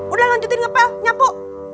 udah lanjutin ngepel nyapu